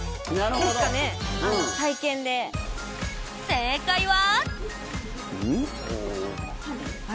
正解は。